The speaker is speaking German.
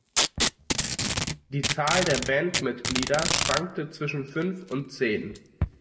Die Zahl der Bandmitglieder schwankte zwischen fünf und zehn.